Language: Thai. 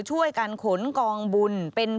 ช่วยกันขนกองบุญ